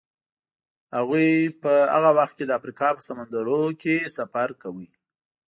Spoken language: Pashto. هغوی په هغه وخت کې د افریقا په سمندرونو کې سفر کاوه.